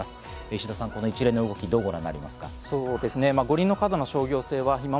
石田さん、この一連の動き、どうご覧になりますか？